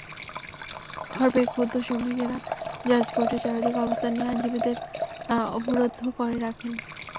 খবর পেয়ে ক্ষুব্ধ শ্রমিকেরা জজকোর্টের চারদিকে অবস্থান নিয়ে আইনজীবীদের অবরুদ্ধ করে রাখেন।